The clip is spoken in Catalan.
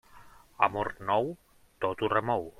Amor nou, tot ho remou.